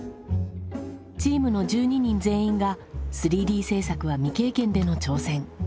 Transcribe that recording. チームの１２人全員が３Ｄ制作は未経験での挑戦。